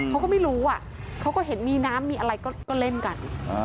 เขาก็ไม่รู้เขาก็เห็นมีน้ำมีอะไรก็เล่นกัน